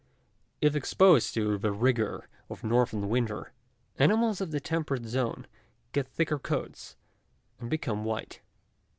If exposed to the rigour of northern winters, animals of the temperate zone get thicker coats, and become white.